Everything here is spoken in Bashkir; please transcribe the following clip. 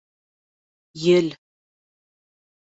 Ел